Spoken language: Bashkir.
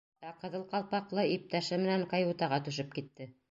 Ә ҡыҙыл ҡалпаҡлы иптәше менән каютаға төшөп китте.